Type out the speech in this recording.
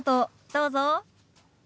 どうぞ。